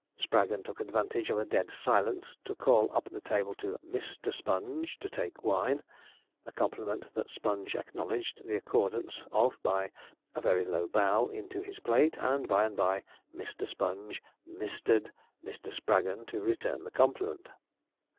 Spraggon took advantage of a dead silence to call up the table to Mister Sponge to take wine; a compliment that Sponge acknowledged the accordance of by a very low bow into his plate, and by and by Mister Sponge 'Mistered' Mr. Spraggon to return the compliment.